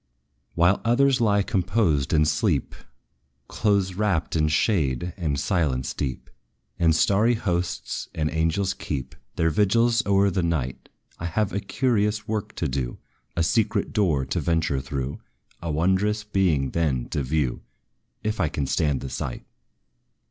While others lie composed in sleep, Close wrapped in shade and silence deep, And starry hosts and angels keep Their vigils o'er the night, I have a curious work to do, A secret door to venture through, A wondrous being then to view; If I can stand the sight.